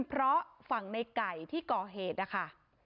เพราะฝั่งในไก่ที่ก่อเหตุนะคะ